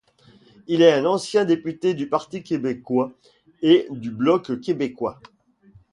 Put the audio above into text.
Il est un ancien député du Parti québécois et du Bloc québécois.